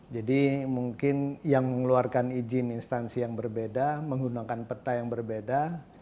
jadi mungkin yang mengeluarkan izin instansi yang berbeda menggunakan peta yang berbeda